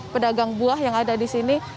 pedagang buah yang ada di sini